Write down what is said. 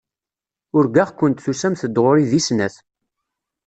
Urgaɣ-kent tusamt-d ɣur-i di snat.